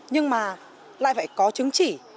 nhưng mà lại phải có chứng chỉ